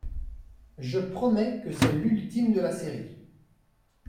Je promets que c’est l’ultime de la série.